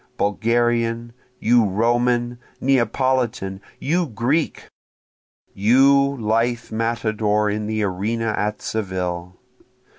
Bulgarian! You Roman! Neapolitan! you Greek! You lithe matador in the arena at Seville!